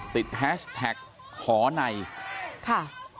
ติดแฮชแท็กขอไหนค่ะ